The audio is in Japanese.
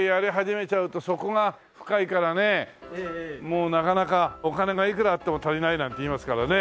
もうなかなか「お金がいくらあっても足りない」なんて言いますからね。